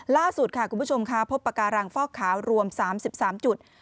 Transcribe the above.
ล่าสุดค่ะคุณผู้ชมค่ะพบปากการังฟอกขาวรวม๓๓จุด